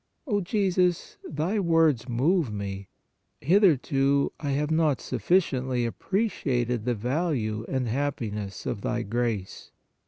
O Jesus, Thy words move me. Hitherto I have not sufficiently appreciated the value and happiness of Thy grace.